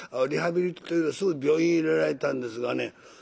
リハビリってすぐ病院へ入れられたんですがね